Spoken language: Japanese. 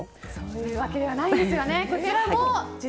そういうわけではないんですよね。